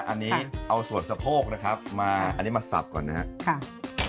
อันนี้เอาส่วนสะโพกนะครับมาอันนี้มาสับก่อนนะครับ